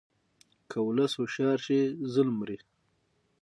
که ولس هوښیار شي، ظلم مري.